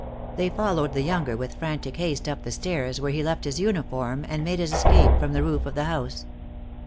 They followed the younger with frantic haste up the stairs, where he left his uniform, and made his escape from the roof of the house.